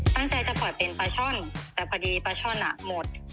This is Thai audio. ตั้งใจจะปล่อยเป็นปลาช่อนแต่พอดีปลาช่อนหมด